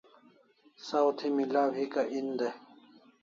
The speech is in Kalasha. Saw thi milaw hika en day